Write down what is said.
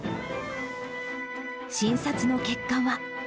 診察の結果は。